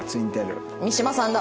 三島さんだ。